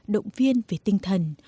động viên về tinh thần